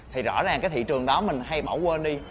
thì rõ ràng cái thị trường đó mình hay bỏ quên đi